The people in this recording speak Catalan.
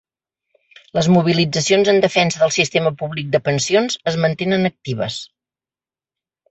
Les mobilitzacions en defensa del sistema públic de pensions es mantenen actives.